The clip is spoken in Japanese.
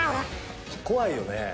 怖いよね。